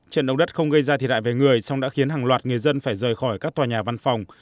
trận động đất không gây ra thiệt hại về người song đã khiến hàng loạt người dân phải rời khỏi các tòa nhà văn phòng